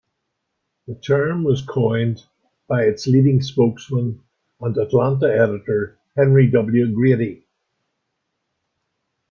The term was coined by its leading spokesman and "Atlanta" editor Henry W. Grady.